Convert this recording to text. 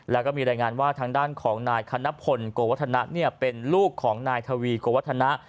แล้วก็มีรายงานว่าทางด้านของนายคณพลโกวัฒนะเป็นลูกของนายทวีโกวัฒนะ